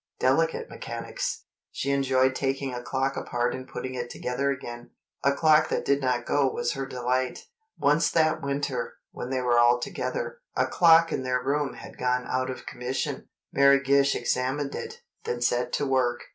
Delicate mechanics. She enjoyed taking a clock apart and putting it together again. A clock that did not go was her delight. Once that winter, when they were all together, a clock in their room had gone out of commission. Mary Gish examined it, then set to work.